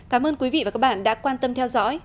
cảm ơn quý vị và các bạn đã quan tâm theo dõi